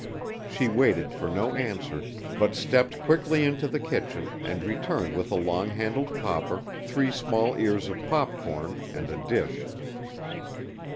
She waited for no answer, but stepped quickly into the kitchen and returned with a long handled popper, three small ears of popcorn, and a dish.